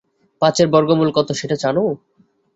পাঁচের বর্গমূল কত সেটা জান?